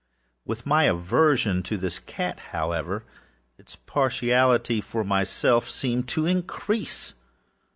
With my aversion to this cat, however, its partiality for myself seemed to increase.